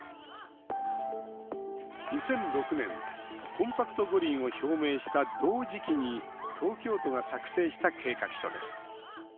２００６年コンパクト五輪を表明した同時期に東京都が作成した計画書です。